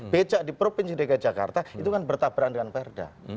becak di provinsi dki jakarta itu kan bertabra dengan perda